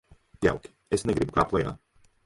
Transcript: Jauki, es negribu kāpt lejā.